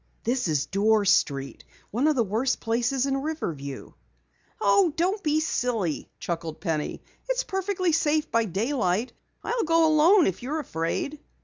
"This is Dorr Street one of the worst places in Riverview." "Oh, don't be silly," chuckled Penny. "It's perfectly safe by daylight. I'll go alone if you're afraid."